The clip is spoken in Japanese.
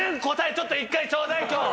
ちょっと１回ちょうだい今日。